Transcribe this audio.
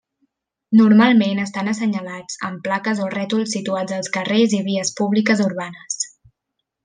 Normalment estan assenyalats amb plaques o rètols situats als carrers i vies públiques urbanes.